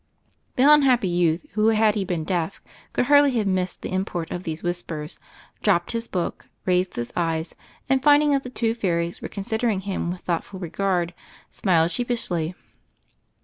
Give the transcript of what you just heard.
The unhappy youth, who, had he been deaf, could hardly have missed the import of these whispers, dropped his book, raised his eyes, and finding that the two fairies were considering him with thoughtful regard, smiled sheepishly.